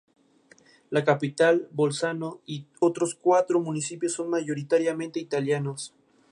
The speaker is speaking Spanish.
La capital Bolzano y otros cuatro municipios son mayoritariamente italianos.